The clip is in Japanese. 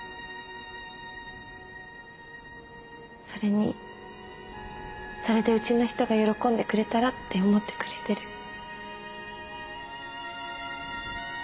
それにそれでうちの人が喜んでくれたらって思ってくれてる。